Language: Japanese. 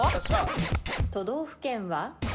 都道府県は？